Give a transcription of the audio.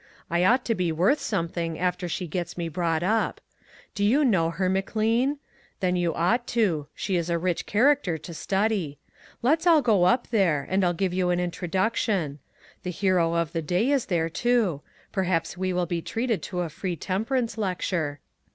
I ought to be worth something after she gets me brought up. Do you know her, McLean? Then you ought to; she is SOCIETY CIRCLES. 77 a rich character to study. Let's all go up there, and I'll give you an introduction. The hero of the day is there, too ; perhaps we will be treated to a free temperance lecture."